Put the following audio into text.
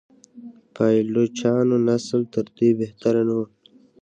پایلوچانو نسل تر دوی بهتر نه و.